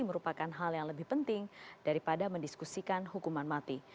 merupakan hal yang lebih penting daripada mendiskusikan hukuman mati